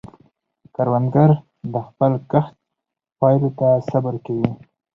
کروندګر د خپل کښت پایلو ته صبر کوي